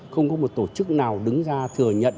không có một tổ chức nào đứng ra thừa nhận